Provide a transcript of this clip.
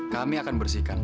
kami akan bersihkan